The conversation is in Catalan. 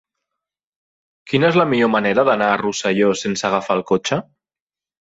Quina és la millor manera d'anar a Rosselló sense agafar el cotxe?